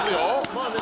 まあね